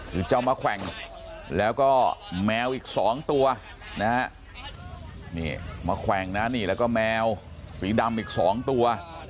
คือเจ้ามะแขว่งแล้วก็แมวอีก๒ตัวนะฮะนี่มาแขว่งนะนี่แล้วก็แมวสีดำอีก๒ตัว